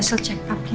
iya perhatikan din ya